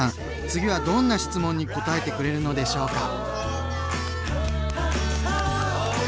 次はどんな質問にこたえてくれるのでしょうか？